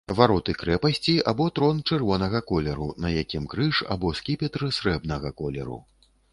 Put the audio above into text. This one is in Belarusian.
Вароты крэпасці, або трон чырвонага колеру, на якім крыж, або скіпетр срэбнага колеру.